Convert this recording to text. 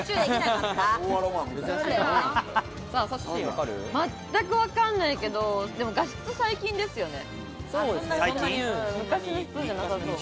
まったくわかんないけれども、画質、最近ですよね。